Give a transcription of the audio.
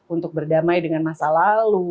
untuk berdamai dengan masa lalu